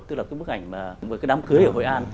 tức là cái bức ảnh về cái đám cưới ở hội an